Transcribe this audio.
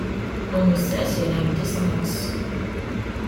On ne sait si elle a une descendance.